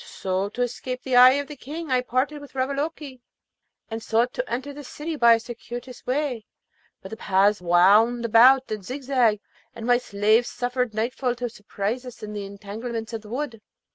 So, to escape the eye of the King I parted with Ravaloke, and sought to enter the city by a circuitous way; but the paths wound about and zigzagged, and my slaves suffered nightfall to surprise us in the entanglements of the wood.